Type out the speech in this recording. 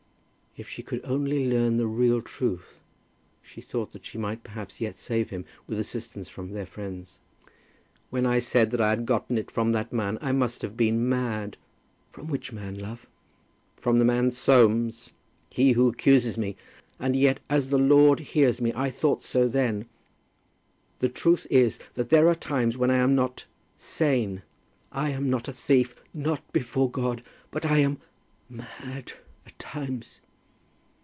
If she could only learn the real truth, she thought that she might perhaps yet save him, with assistance from their friends. "When I said that I had gotten it from that man I must have been mad." "From which man, love?" "From the man Soames, he who accuses me. And yet, as the Lord hears me, I thought so then. The truth is, that there are times when I am not sane. I am not a thief, not before God; but I am mad at times."